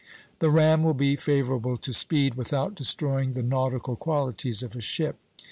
The ram will be favorable to speed, without destroying the nautical qualities of a ship.